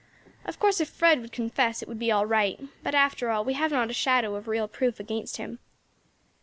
Of course if Fred would confess it would be all right, but, after all, we have not a shadow of real proof against him.